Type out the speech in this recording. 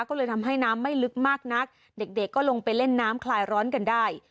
ก็เลยทำให้น้ำไม่ลึกมากนักเด็กเด็กก็ลงไปเล่นน้ำคลายร้อนกันได้